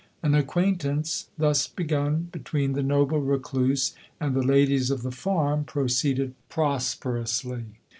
An acquaintance, thus begun between the noble recluse and the "ladies of the farm," proceeded prosperously.